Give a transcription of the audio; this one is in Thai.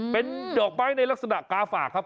เป็นดอกไม้ในลักษณะกาฝากครับ